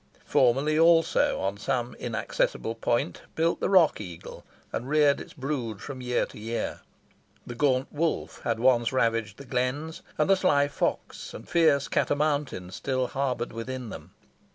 Formerly, also, on some inaccessible point built the rock eagle, and reared its brood from year to year. The gaunt wolf had once ravaged the glens, and the sly fox and fierce cat a mountain still harboured within them.